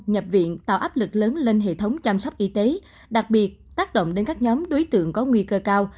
nhập viện tạo áp lực lớn lên hệ thống chăm sóc y tế đặc biệt tác động đến các nhóm đối tượng có nguy cơ cao